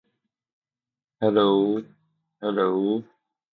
In England a defendant can be forced to pay a fine.